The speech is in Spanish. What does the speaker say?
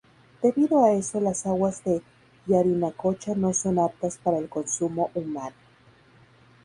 Debido a eso las aguas de Yarinacocha no son aptas para el consumo humano.